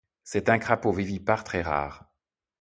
C'est un crapaud vivipare très rare.